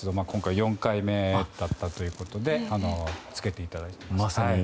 ４回目だったということでつけていただいて。